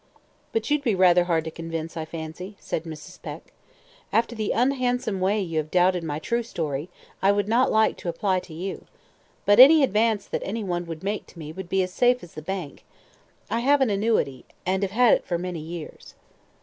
"But you'd be rather hard to convince, I fancy," said Mrs. Peck. "After the unhandsome way you have doubted my true story, I would not like to apply to you. But any advance that any one would make to me would be as safe as the bank. I have an annuity, and have had it for many years."